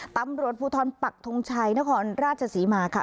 ตำรวจภูทรปักทงชัยนครราชศรีมาค่ะ